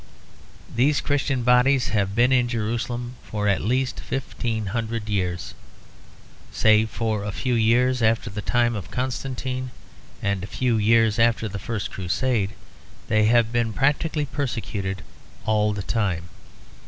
These Christian bodies have been in Jerusalem for at least fifteen hundred years. Save for a few years after the time of Constantine and a few years after the First Crusade, they have been practically persecuted all the time.